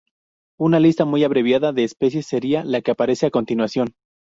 Una lista muy abreviada de especies sería la que aparece a continuación.